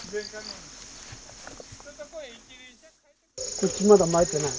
こっちまだまいてない？